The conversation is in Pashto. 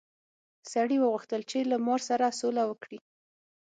سړي وغوښتل چې له مار سره سوله وکړي.